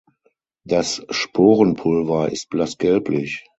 Das Sporenpulver ist blass gelblich.